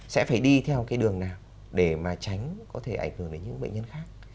sẽ phải đi theo cái đường nào để mà tránh có thể ảnh hưởng đến những bệnh nhân khác